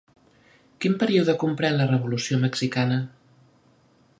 Quin període compren la Revolució Mexicana?